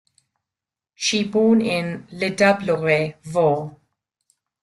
She born in Les Diablerets, Vaud.